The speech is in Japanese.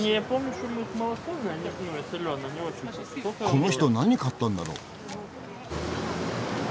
この人何買ったんだろう？